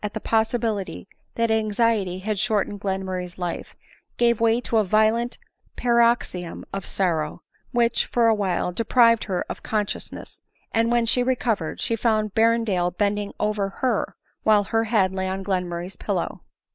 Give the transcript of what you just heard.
179 the possibility that anxiety bad shortened Glenmurray's life, gave way to a violent paroxysm of sorrow, which, for a N while, deprived her of consciousness ; and when she re covered she found Berrendale bending over her, while her head lay on Glenmurray's pillow.